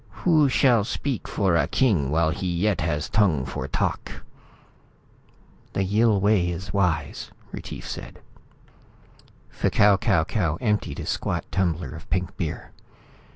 Who shall speak for a king while he yet has tongue for talk?" "The Yill way is wise," Retief said. F'Kau Kau Kau emptied a squat tumbler of pink beer.